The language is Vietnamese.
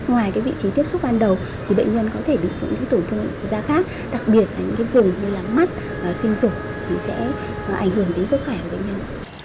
ngoài vị trí tiếp xúc ban đầu thì bệnh nhân có thể bị những tổn thương da khác đặc biệt là những vùng như là mắt sinh dục thì sẽ ảnh hưởng đến sức khỏe của bệnh nhân